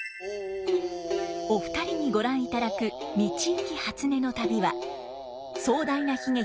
お二人にご覧いただく「道行初音旅」は壮大な悲劇